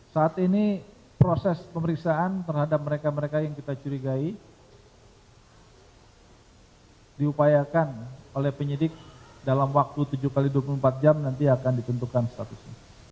saat ini proses pemeriksaan terhadap mereka mereka yang kita curigai diupayakan oleh penyidik dalam waktu tujuh x dua puluh empat jam nanti akan ditentukan statusnya